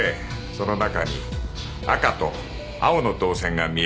その中に赤と青の導線が見えるはずだ。